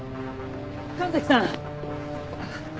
神崎さん！